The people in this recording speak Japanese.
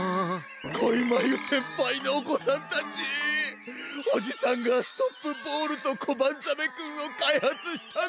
こいまゆせんぱいのおこさんたちおじさんがストップボールとコバンザメくんをかいはつしたんだよ。